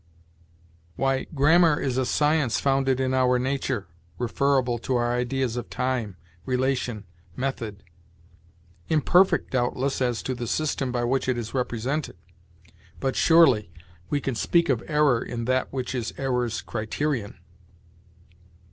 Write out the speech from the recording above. Why, grammar is a science founded in our nature, referable to our ideas of time, relation, method; imperfect, doubtless, as to the system by which it is represented; but surely we can speak of error in that which is error's criterion!